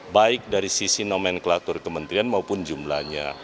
baik dari sisi nomenklatur kementerian maupun jumlahnya